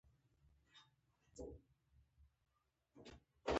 دا هماغه ګران ټوپګ دی